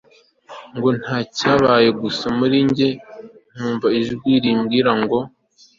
ngo ntacyabaye gusa muri njye nkumva ijwi rimbwira ngo